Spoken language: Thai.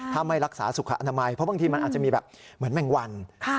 ถ้าไม่รักษาสุขอนามัยเพราะบางทีมันอาจจะมีแบบเหมือนแมงวัน